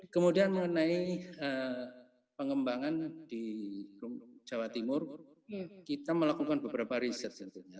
kemudian mengenai pengembangan di jawa timur kita melakukan beberapa riset